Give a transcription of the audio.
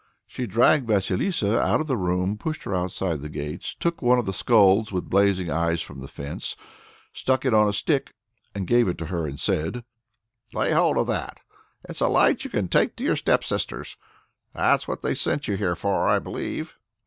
She dragged Vasilissa out of the room, pushed her outside the gates, took one of the skulls with blazing eyes from the fence, stuck it on a stick, gave it to her and said: "Lay hold of that. It's a light you can take to your stepsisters. That's what they sent you here for, I believe."